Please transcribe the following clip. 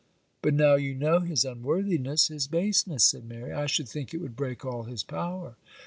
'But now you know his unworthiness, his baseness,' said Mary, 'I should think it would break all his power.